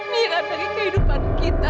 mira dari kehidupan kita